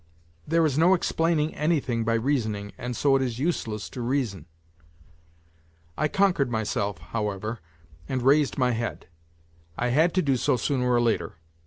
. there is no explaining anything by reasoning and so it is useless to reason. I conquered myself, however, and raised my head; I had to do so sooner or later